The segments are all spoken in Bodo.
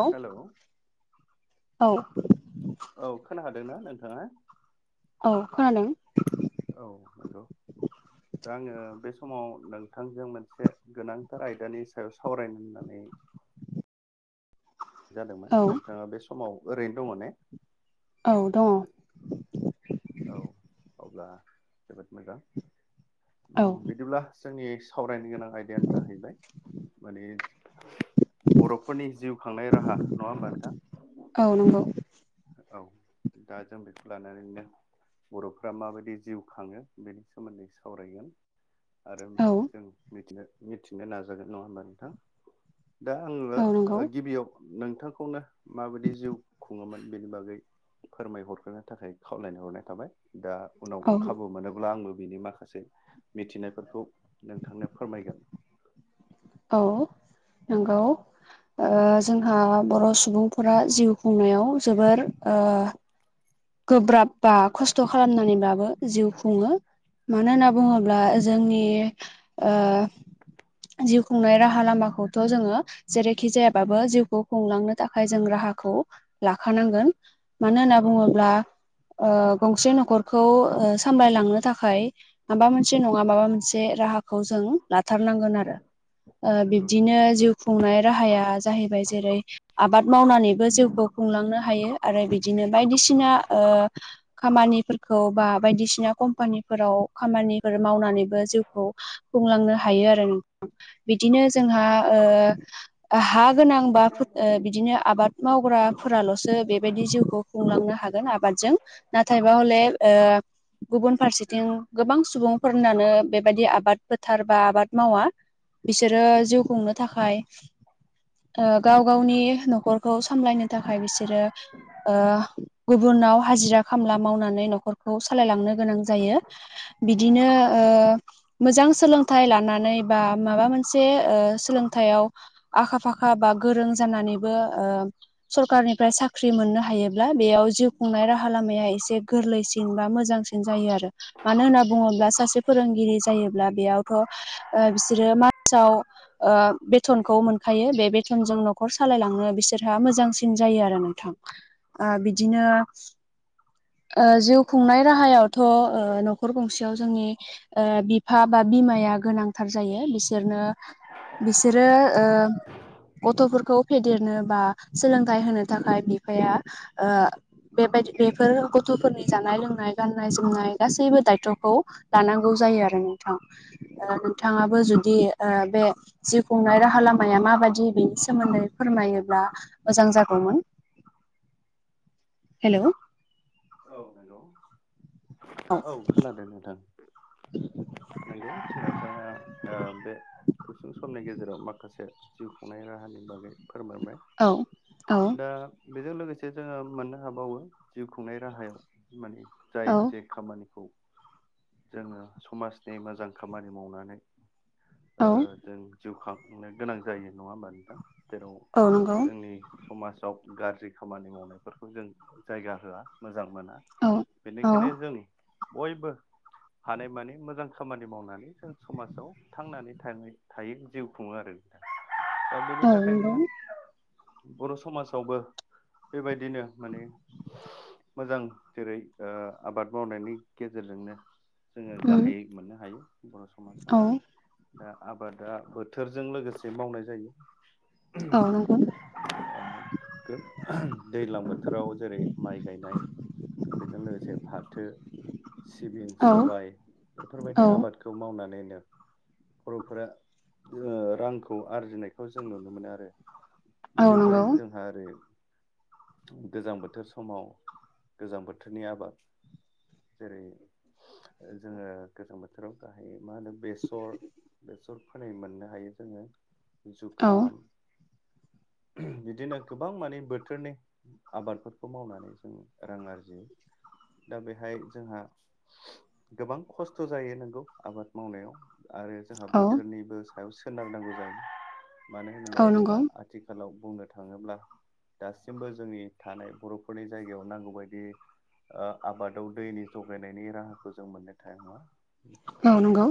औ हेलौ औ। औ खोनाखादोंना नोंथाङा? औ खोनादों। औ नंगौ। दा आङो बे समाव नोंथांजों मोनसे गोनांथार आयदानि सायाव सावरायनो होननानै जादोंमोन। औ नोंथाङा बे समाव ओरैनो दङ ने? औ दङ। औ अब्ला जोबोद मोजां। औ बिदिब्ला जोंनि सावरायनो गोनां आयदायानो जाहैबाय, माने बर'फोरनि जिउ खांनाय राहा। नङा होमबा नोंथां? औ नंगौ औ। दा जों बेखौ लानानैनो बर'फ्रा माबायदि जिउ खाङो बेनि सोमोन्दै सावरायगोन। आरो औ जों मिथिनो मिथिनो नाजागोन नङा होमबा नोंथां? दा औ नंगौ आङो गिबियाव नोंथांखौनो माबायदि जिउ खुङोमोन बेनि बागै फोरमायहरग्रोनो थाखाय खावलायनो हरनाय थाबाय। दा उनाव औ खाबु मोनोब्ला आंबो बिनि माखा माखासे मिथिनायफोरखौ नोंथांनो फोरमायगोन। औ नंगौ। जोंहा बर' सुबुंफोरा जिउ खुंनायाव जोबोर गोब्राब बा खस्थ' खालामनानैब्लाबो जिउ खुङो। मानो होनना बुङोब्ला जोंनि ओ जिउ खुंनाय राहा लामाखौथ' जोङो जेरैखि जायाबाबो जिउखौ खुंलांनो थाखाय जों राहाखौ लाखानांगोन। मानो होनना औ नंगौ बुङोब्ला, गंसे न'खरखौ सामलायलांनो थाखाय माबा मोनसे नङा माबा मोनसे राहाखौ जों लाथारनांगोन आरो। नंगौ नंगौ बिब्दिनो जिउ खुंनाय राहाया जाहैबाय जेरै आबाद मावनानैबो जिउखौ खुंलांनो हायो आरो बिदिनो बायदिसिना खामानिफोरखौ बा बायदिसिना कम्पानिफोराव खामानिफोर मावनानैबो जिउखौ खुंलांनो हायो आरो नोंथां। बिदिनो जोंहा ओ हा गोनां बा बिदिनो आबाद मावग्राफोराल'सो बेबायदि जिउखौ खुंलांनो हा आबादजों नाथायबा हले ओ गुबुन फारसेथिं गोबां सुबुंफोरनानो बेबायदि आबाद फोथार बा आबाद मावा। बिसोरो जिउ खुंनो थाखाय गाव गावनि न'खरखौ सामलायनो थाखाय बिसोरो गुबुनाव हाजिरा खामला मावनानै न'खरखौ सालायलांनो गोनां जायो। बिदिनो ओ मोजां सोलोंथाइ लानानै बा माबा मोनसे सोलोंथाइआव आखा फाखा बा गोरों जानानैबो ओ सरखारनिफ्राय साख्रि मोननो हायोब्ला बेयाव जिउ खुंनाय राहा लामाया एसे गोरलैसिन बा मोजांसिन जायो आरो। मानो होनना बुङोब्ला सासे फोरोंगिरि जायोब्ला बेयावथ' बिसोरो मासाव बेथनखौ मोनखायो बे बेथनजों न'खर सालायलांनो बिसोरहा मोजांसिन जायो आरो नोंथां। [inaudible] ओ बिदिनो जिउ खुंनाय राहायावथ' न'खर गंसेयाव जोंनि बिफा बा बिमाया गोनांथार जायो बिसोरनो बिसोरो ओ गथ'फोरखौ फेदेरनो बा सोलोंथाइ होनो थाखाय बिफाया ओ बेबायदि बेफोर गथ'फोरनि जानाय लोंनाय गाननाय जोमनाय गासैबो दायथ'खौ लानांगौ जायो आरो नोंथां नोंथाङाबो औ जुदि ओ बे जिउ खुंनाय राहा लामाया माबाददि बेनि सोमोन्दै फोरमायोब्ला मोजां जागौमोन। हेल' औ हेल' औ खोनादों नोंथां। नोंगौ नोंथाङा बे गुसुं समनि गेजेराव माखासे जिउ खुंनाय राहानि बागै फोरमायबाय औ औ दा बेजों लोगोसे जोङो मोननो हाबावो जिउ खुंनाय राहायाव माने औ जाय जे खामानिखौ जोङो समाजनि मोजां खामानि मावनानै औ जों जिउ खांनो गोनां जायो नङा होमब नोंथाम जेराव औ नंगौ जोंनि समाजाव गाज्रि खामानि मावनायफोरखौ जों जायगा होआ मोजां मोना औ औ बेनिखायनो जों बयबो हानाय मानिे मोजां खामानि मावनानै जों समाजाव थांनानै थ थायो जिउ खुङो आरोा दा बेनि औ नंगौ थाखायनो बर' समाजावबो बेबायदिनो माने मोजां जेरै आबाद मावनायनि गेजेरजोंनो जोङो उम गाहायै मोननो हायो बर' औ समाजाव। दा आबादा बोथोरजों लोगोसे मावनाय जायो औ नंगौ दैज्लां बोथोराव जेरै माइ गायनाय बेजों लोगोसे फाथो सिबिं औ सबाय औ बेफोरबायदि आबाद बेखौ मावनानैनो बर'फोरा ओरांखौ आरजिनायखौ जों नुनो मोनो आरो औ बेनिफ्राय नंगौ जों आरो गोजां बोथोर समाव गोजां बोथोरनि आबाद जेरै जोङो गोजां बोथोराव गाहाय मा होनो बेसर बेसर फोनै मोननो हायो जोङो औ जुखाम बिदिनो गोबां माने बोथोरनि आबादफोरखौ मावनानै जों रां आरजियो दा बेहाय जोंहा गोबां खस्थ' जायो नोंगौ आबाद मावनायाव आरो जोंहा औ बोथोरनिबो सायाव सोनारनांगौ जायो मानो होनोबा औ नंगौ जोंहा आथिखालाव बुंनो थाङोब्ला दासिमबो जोंनि थानाय बर'फोरनि जायगायाव नांगौबायदि ओ आबादाव दैनि जगायनायनि राहाखौ जों मोननो थाङा औ नंगौ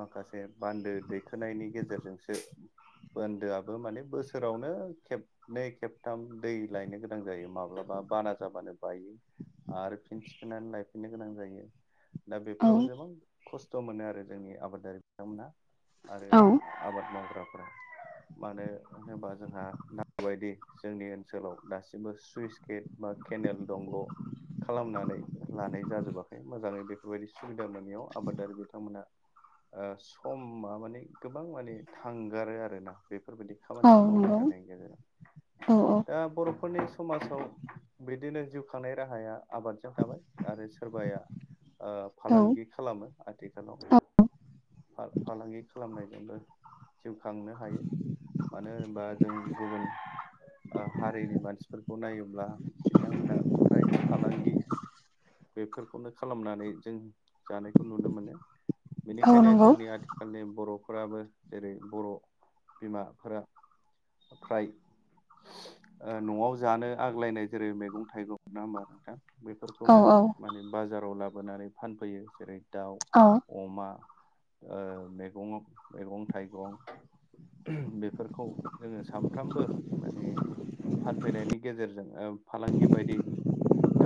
माखासे बान्दो दैखोनायनि गेजेरजोंसो बोनदोआबो माने बोसोरावनो खेब नै खेबथाम दै लायनो गोनां जायो माब्लाबा बाना जाबानो बायो। आरो फिन थिखोननानै लायफिननो गोनां जायो दा औ बेफोराव गोबां खस्थ' मोनो आरो जोंनि आबादारि बिथांमोनहा आरो औ आबाद मावग्राफोराबो मानो होनोबा जोंहा नांगौबायदि जोंनि ओनसोलाव दासिमबो सुइस गेट बा केनेल दंग' खालामनानै लानाय जाजोबाखै मोजाङै बेफोरबायदि सुबिदा मोनैयाव आबादारि बिथांमोनहा ओ समा माने गोबां माने थांगारो आरो ना बेफोरबायदि औ खामानिखौ मावबाय नंगौ थानायनि गेजेराव औ औ दा बर'फोरनि समाजाव बिदिनो जिउ खांनाय राहाया आबादजों थाबाय आरो सोरबाया ओ औ फालांगि खालामो आथिखालाव औ फा फालांगि खालामनायजोंबो जिउ खांनो हायो मानो होनोबा जों गुबुन ओ हारिनि मानसिफोरखौ नायोब्ला बिथांमोना प्राय फालांगि बेफोरखौनो खालामनानै जों जानायखौ नुनो मोनो औ नंगौ औ बेनिखायनो नंगौ जोंनि आथि खालनि बर'फोराबो जेरै बर' बिमाफोरा फ्राय ओ न'आव जानो आग्लायनाय जेरै मैगं थाइगं नङा होमबा नोंथां औ बेफोरखौनो औ माने बाजाराव लाबोनानै फानफैयो जेरै दाउ अ अमा ओ मेगं मेगं थाइगं बेफोरखौ जोङो सानफ्रामबो माने फानफैनायनि गेजेरजों ओ फालांगि बायदि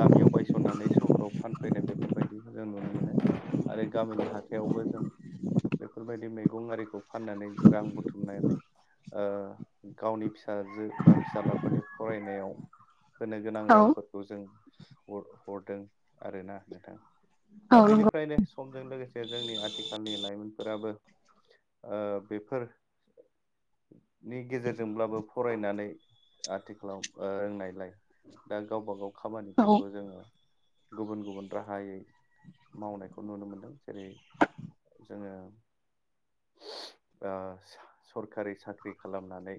गामियाव बायसननानै सहराव फानफैनाय बेफोरबायदिखौ जों नुनो मोनो आरो गामिनि हाथायावबो जों बेफोरबायदि मैगं आरिखौ फाननानै रां बुथुमनानै ओ गावनि फिसाजो बा फिसाज्लाफोरनि फरायनायाव होनो गोनां औ रांफोरखौ जों हरदों आरोना नोंथां औ दा नंगौ बेनिफ्रायनो समजों लोगोसे जोंनि आथिखालनि लाइमोनफोराबो ओ बेफोर नि गेजेरजोंब्लाबो फरायनानै आथिखालाव रोंनायलाय दा गावबा गाव खामानिफोरखौ जोङो गुबुन गुबुन राहायै मावनायखौ नुनो मोनदों जेरै जोङो ओ सरखारि साख्रि खालामनानै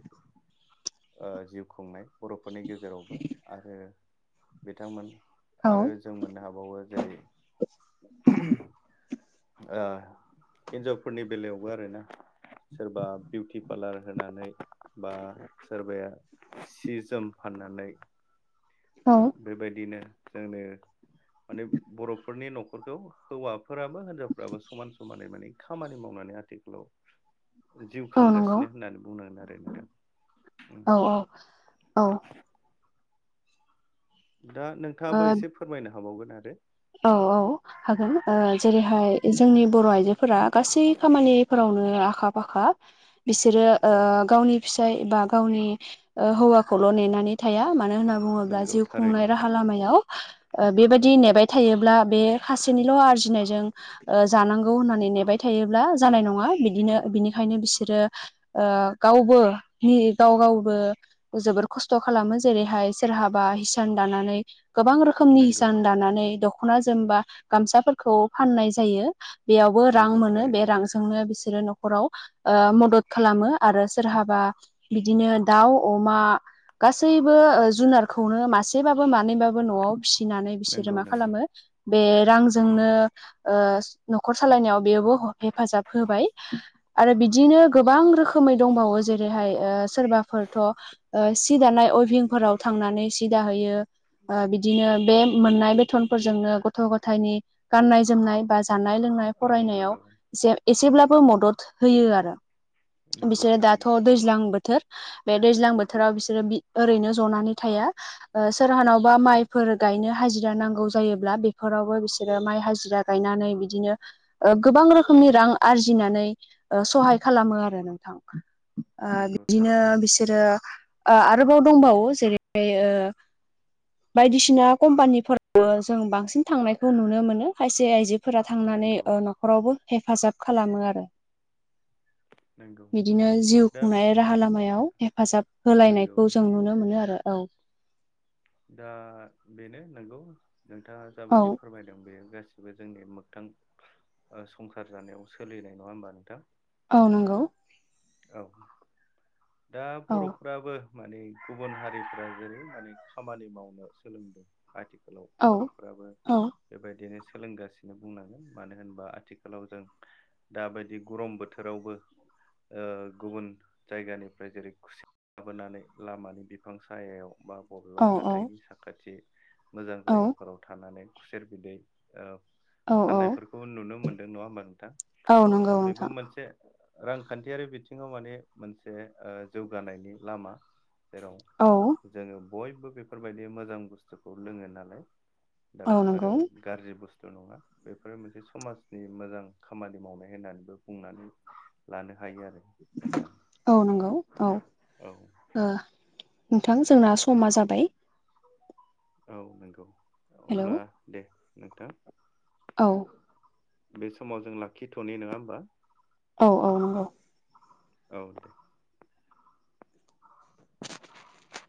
ओ जिउ खुंनाय बर'फोरनि गेजेरावबो आरो बिथांमोन आरो जों मोननो हाबावो जेरै ओ हिन्जावफोरनि बेलायावबो आरोना सोरबा बिउटि पार्लार होनानै बा सोरबाया सि जोम फाननानै अ बेबायदिनो जोंनो माने बर'फोरनि न'खरखौ हौवाफोराबो होन जावफ्राबो समान समानै माने खामानि मावनानै आथिखालाव जिउ खांगासिनो होननानै बुंनांगोन आरो नोंथां। औ औ औ दा ओ नोंथाङाबो एसे फोरमायनो हाबावगोन आरो औ औ हागोन ओ जेरैहाय जोंनि बर' आइजोफोरा गासै खामानि फोरावनो आखा फाखा बिसोरो ओ औ गावनि फिसाय बा गावनि हौवाखौल' नेनानै थाया मानो होनना बुङोब्ला नंगौ जिउ खुंनाय थारैनो राहा लामायाव ओ बेबायदि नेबाय थायोब्ला बे खासेनिल' आरजिनायजों ओ जानांगौ होननानै नेबाय थायोब्ला जानाय नङा बिदिनो बिनिखायनो बिसोरो ओ गावबो नि गाव गावबो जोबोर खस्थ' खालामो जेरैहाय सोरहाबा हिसान दानानै गोबां रोखोमनि नंगौ हिसान दानानै दख'ना जोमबा गामसाफोरखौ फाननाय जायो। बेयावबो रां नंगौ मोनो बे थारैनो रांज जोंनो बिसोरो न'खराव मदद खालामो आरो सोरहाबा बिदिनो दाउ अमा गासैबो ओ जुनारखौनो मासेबाबो मानैबाबो न'आव फिसिनानै बिसोरो नंगौ मा नंगौ खालामो बे रांजोंनो ओ न'खर सालायनायाव बेबो हेफाजाब होबाय आरो बिदिनो गोबां रोखोमै दंबावो जेरैहाय ओ सोरबाफोरथ' सि दानाय अयभिंफोराव थांनानै सि दाहैयो। ओ बिदिनो बे मोननाय बेथनफोरजोंनो गथ' गथायनि गाननाय जोमनाय बा ज जानाय लोंनाय औ फरायनायाव नंगौ एसेब्लाबो मदद होयो आरो। नंगौ बिसोरो दाथ' थारैनो दैज्लां बोथोर बे दैज्लां बोथोराव बिसोरो ओरैनो जनानै थाया सोरहानावबा माइफोर गायनो हाजिरा नां गौ जायोब्ला बेफोरावबो बिसोरो माइ हाजिरा गायनानै बिदिनो ओ गोबां रोखोमनि रां आरजिनानै ओ सहाय खालामो आरो नोंथां। आ नंगौ बिदिनो थारैनो बिसोरो आ आरोबाव दंबावो जेरै ओ बायदिसिना कम्पानिफोर वबो जों बांसिन थांनायखौ नुनो मोनो खायसे आइजोफोरा थांनानै नंगौ न'खरावबो हेफाजाब खालामो आरो। नंगौ बिदिनो जिउ दा खुंनाय राहा लामायाव हेफाजाब नंगौ होलायनायखौ जों नंगौ नुनो मोनो आरो औ। दा बेनो नंगौ नोंथाङा औ जाबायदि फोरमायदों बेयो गासैबो। बे जोंनि मोगथां संसार जानायाव सोलिनाय नङा होमबा नोंथां? औ नंगौ। औ दा औ बर'फ्राबो माने गुबुन हारिफ्रा जेरै माने खामानि मावनो सोलोंदों आथिखालाव औ बर'फोराबो औ बेबायदिनो सोलोंगासिनो बुंनांगोन मानो होनबा आथिखालाव जों दाबायदि गरम बोथोरावबो ओ गुबुन जायगानि ओमफ्राय जेरै खुसि लााबोनानै लामानि बिफां सायाव बा बबेबा औ हाथाइनि साखाथि मोजां औ जायगाफोराव थानानै खुसेर बिदै ओ औ औ फानानायफोरखौ नुनो मोनदों नङा होमबा नोंथां? औ नंगौ दा बेबो नोंथां मोनसे रांखान्थियारि बिथिङाव माने मोनसे ओ जौगानायनि लामा जेराव औ जोङो बयबो बेफोरबायदि मोजां बुस्थुखौ लोङो नालाय दा औ बेफोरो नंगौ गाज्रि बुस्थु नङा बेफोर मोनसे समाजनि मोजां खामानि मावनाय होननानैबो बुंनानै लानो हायो आरो गोथां। औ नंगौ औ नोंथां जोंना समा जाबाय। औ नंगौ हेलौ होमब्ला दे नोंथां? औ बे समाव जों लाखिथ'नि नङा होमबा औ औ नंगौ औ दे [inaudible]